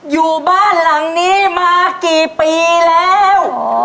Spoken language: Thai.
อยู่บ้านหลังนี้มากี่ปีแล้ว